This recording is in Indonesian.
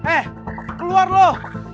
eh keluar lo